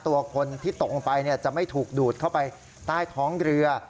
ตัวคนที่ตกลงไปจะไม่ถูกดูดเข้าไปใต้ท้องเรือ